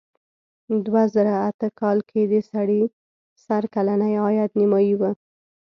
دوه زره اته کال کې د سړي سر کلنی عاید نیمايي و.